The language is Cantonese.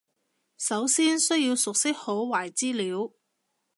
首先需要熟悉好壞資料